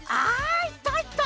いたいた！